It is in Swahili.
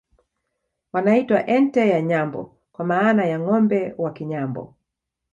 Wanaitwa Ente ye Nyambo kwa maana ya Ngombe wa Kinyambo